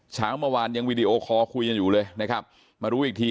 เช้าเมื่อวานยังวีดีโอคอลคุยกันอยู่เลยนะครับมารู้อีกที